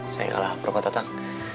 saya kalah bapak tatang